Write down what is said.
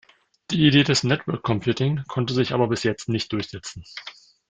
Die Idee des "Network Computing" konnte sich aber bis jetzt nicht durchsetzen.